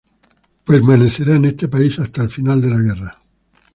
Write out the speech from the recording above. Permanecerá en este país hasta el final de la guerra.